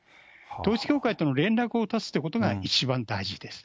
統一教会との連絡を断つということが、一番大事です。